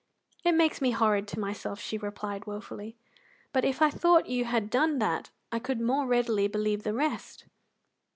"It makes me horrid to myself," she replied wofully, "but if I thought you had done that I could more readily believe the rest."